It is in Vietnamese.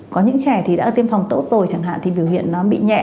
có những trẻ thì đã tiêm phòng tốt rồi chẳng hạn thì biểu hiện nó bị nhẹ